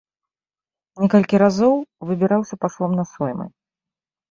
Некалькі разоў выбіраўся паслом на соймы.